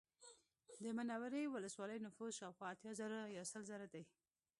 د منورې ولسوالۍ نفوس شاوخوا اتیا زره یا سل زره دی